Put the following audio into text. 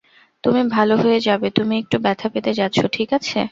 তুমি ভাল হয়ে যাবে তুমি একটু ব্যথা পেতে যাচ্ছো, ঠিক আছে?